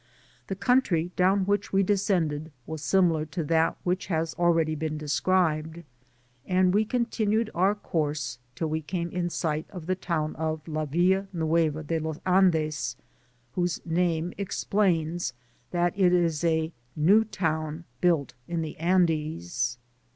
The coun try down which we descended was similar to that which has already been described, and we continued our course till we came in sight of the town of La Villa Nueva de los Andes, whose name explains that it is a new town built in the Andes.